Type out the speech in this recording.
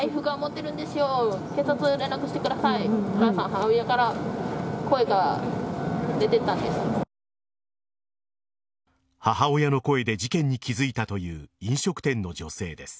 母親の声で事件に気づいたという飲食店の女性です。